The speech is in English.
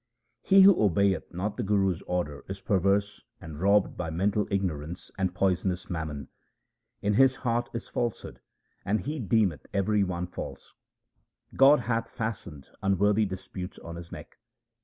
He who obeyeth not the Guru's order is perverse and robbed by mental ignorance and poisonous mammon : In his heart is falsehood and he deemeth every one false ; God hath fastened unworthy disputes on his neck.